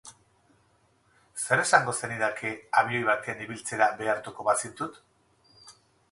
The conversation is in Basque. Zer esango zenidake, abioi batean ibiltzera behartuko bazintut?